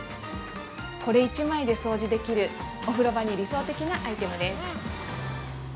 ◆これ１枚で掃除できるお風呂場に理想的なアイテムです。